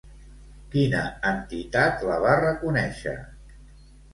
Quina entitat la va reconèixer?